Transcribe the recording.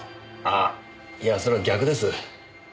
あいやそれは逆です。